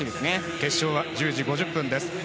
決勝は１０時５０分です。